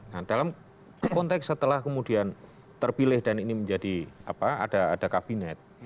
nah dalam konteks setelah kemudian terpilih dan ini menjadi apa ada kabinet